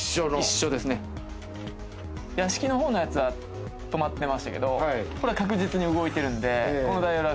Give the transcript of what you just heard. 屋敷のほうのやつは止まってましたけどこれは確実に動いてるんで。